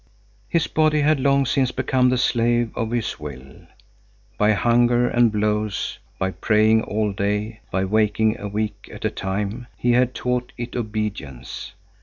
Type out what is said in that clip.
His body had long since become the slave of his will. By hunger and blows, by praying all day, by waking a week at a time, he had taught it obedience.